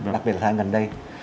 đặc biệt là gần đây